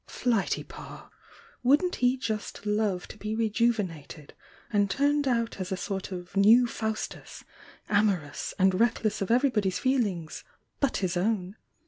Flighty Pa! Wouldn't he just love to be rejuvenated and turned out as a sort of new Faustus, amorous and reckless of every body's feelings— but his own!